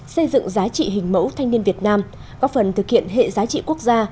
xây dựng giá trị hình mẫu thanh niên việt nam góp phần thực hiện hệ giá trị quốc gia